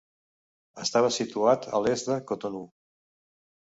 Estava situat a l'est de Cotonou.